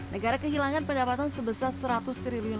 negara kehilangan pendapatan sebesar seratus triliun